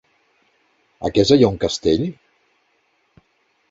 A Quesa hi ha un castell?